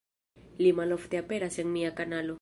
Li malofte aperas en mia kanalo